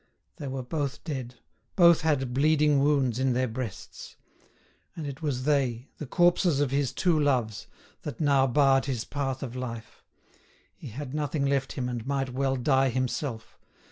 They were both dead, both had bleeding wounds in their breasts. And it was they—the corpses of his two loves—that now barred his path of life. He had nothing left him and might well die himself.